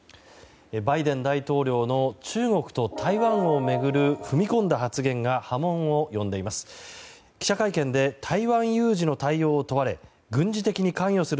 バイデン大統領の中国と台湾を巡る踏み込んだ発言が波紋を呼んでいます。